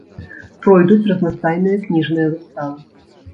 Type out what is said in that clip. Пройдуць разнастайныя кніжныя выставы.